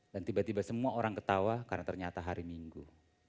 dan tiba tiba semua orang ketawa karena ternyata hari minggu